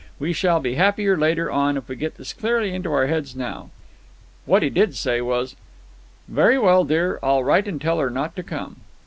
We shall be happier later on if we get this clearly into our heads now." What he did say was: "Very well, dear. I'll write and tell her not to come."